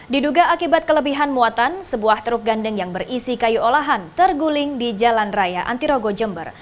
diduga akibat kelebihan muatan sebuah truk gandeng yang berisi kayu olahan terguling di jalan raya antirogo jember